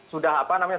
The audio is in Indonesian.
sudah apa namanya